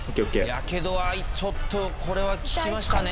やけどはちょっとこれは効きましたね。